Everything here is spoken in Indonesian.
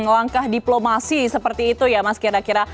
langkah diplomasi seperti itu ya mas kira kira